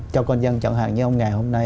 cho con dân chọn hàng như ông ngài hôm nay